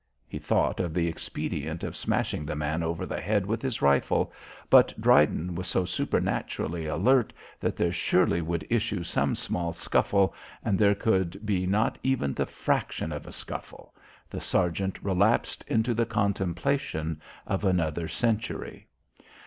He thought of the expedient of smashing the man over the head with his rifle, but Dryden was so supernaturally alert that there surely would issue some small scuffle and there could be not even the fraction of a scuffle. The sergeant relapsed into the contemplation of another century.